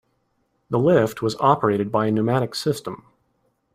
The lift was operated by a pneumatic system.